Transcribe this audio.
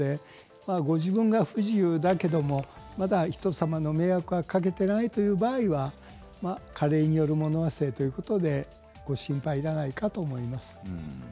ご自分が不自由だけれどもまだ、ひとさまに迷惑をかけていない場合は加齢による物忘れということでご心配いらないかと思います。